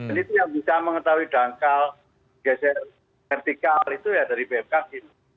dan itu yang bisa mengetahui dangkal geser vertikal itu ya dari bnpkg